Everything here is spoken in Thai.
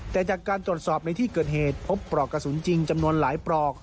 แต่จากการตรวจสอบในที่เกิดเหตุพบปลอกกระสุนจริงจำนวนหลายปลอก